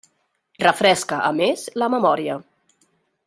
Refresca, a més, la memòria.